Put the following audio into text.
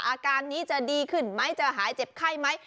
อาการนี้จะดีขึ้นไหมจะหายเจ็บไข้ไหม